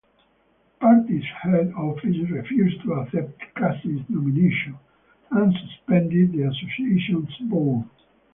The party's head office refused to accept Casey's nomination, and suspended the association's board.